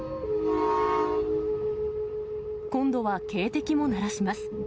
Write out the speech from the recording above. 今度は警笛も鳴らします。